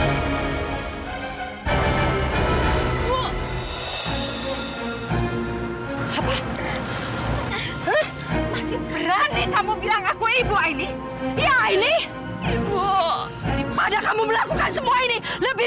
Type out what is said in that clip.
ibu apa masih berani kamu bilang aku ibu aini iya ini ibu pada kamu melakukan semua ini lebih